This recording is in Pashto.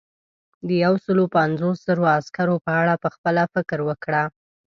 د یو سلو پنځوس زرو عسکرو په اړه پخپله فکر وکړه.